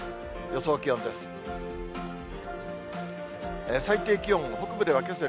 予想気温です。